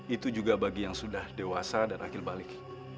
itu juga bagi yang sudah dewasa dan akhir balik